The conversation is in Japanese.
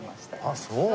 あっそう。